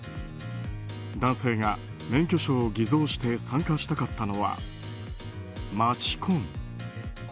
男性が免許証を偽装して参加したかったのは街コン。